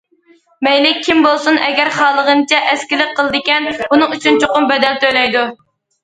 مەيلى كىم بولسۇن، ئەگەر خالىغىنىچە ئەسكىلىك قىلىدىكەن، بۇنىڭ ئۈچۈن چوقۇم بەدەل تۆلەيدۇ.